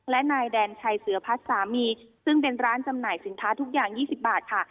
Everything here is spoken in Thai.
และนายแดนชัยเสือพัฒน์สามีซึ่งเป็นร้านจำหน่ายสินค้าทุกอย่าง๒๐บาทค่ะ